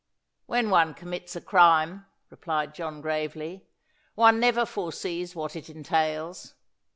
"When one commits a crime," replied John gravely, "one never foresees what it entails.